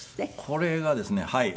これがですねはい。